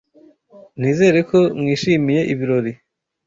Nizere ko mwishimiye ibirori.